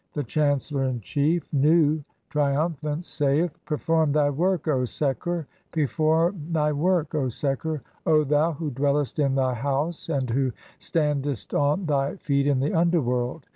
(2) The chancellor in chief, Nu, triumphant, saith :— "Perform thy work, O Seker, perform thy work, O Seker, O "thou [who dwellest in thy house], and who [standest] on [thy] "feet in the underworld